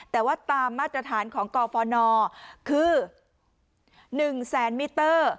แต่ว่าตามมาตรฐานของกอฟอนอร์คือหนึ่งแสนมิเตอร์